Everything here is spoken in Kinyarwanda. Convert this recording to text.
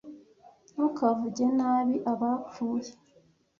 Ntukavuge nabi abapfuye.